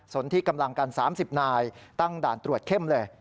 ส่วนที่กำลังกัน๓๐นายตั้งด่านตรวจเข้มเลย